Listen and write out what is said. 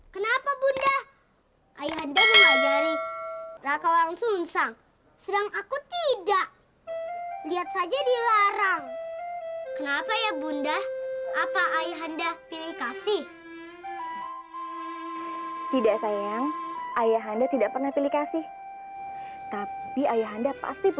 kenapa bunda ayah anda memajari raka langsung sang sedang aku terima saya tidak mau beri tawaran kepadamu